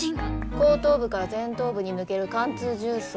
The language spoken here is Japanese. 後頭部から前頭部に抜ける貫通銃創。